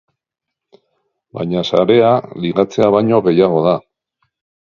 Baina sarea ligatzea baino gehiago da.